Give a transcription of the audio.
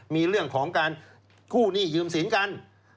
มีเรื่องของการกู้หนี้ยืมสินกัน